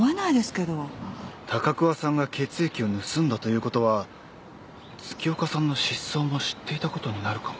高桑さんが血液を盗んだということは月岡さんの失踪も知っていたことになるかも。